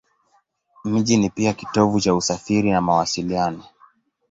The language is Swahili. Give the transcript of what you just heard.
Mji ni pia kitovu cha usafiri na mawasiliano.